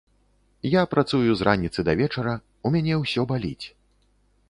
Я працую з раніцы да вечара, у мяне ўсё баліць.